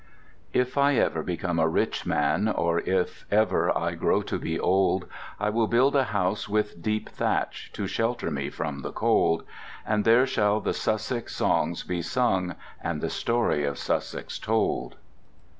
If I ever become a rich man, Or if ever I grow to be old, I will build a house with deep thatch To shelter me from the cold, And there shall the Sussex songs be sung And the story of Sussex told.